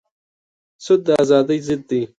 سود د ازادۍ ضد دی.